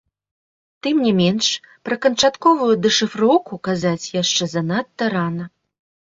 Тым не менш, пра канчатковую дэшыфроўку казаць яшчэ занадта рана.